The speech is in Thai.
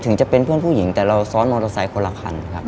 ถึงจะเป็นเพื่อนผู้หญิงแต่เราซ้อนมอเตอร์ไซค์คนละคันครับ